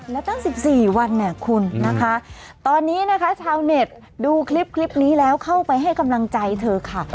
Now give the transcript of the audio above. แล้วตั้ง๑๔วันเนี่ยคุณนะคะตอนนี้นะคะชาวเน็ตดูคลิปนี้แล้วเข้าไปให้กำลังใจเธอค่ะ